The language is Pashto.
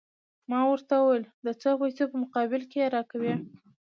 ما ورته وویل: د څو پیسو په مقابل کې يې راکوې؟